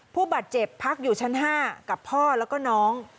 ผู้บาดเจ็บพักอยู่ชั้น๕กับพ่อแล้วก็น้อง